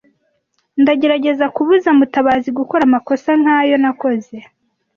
Ndagerageza kubuza Mutabazi gukora amakosa nkayo nakoze.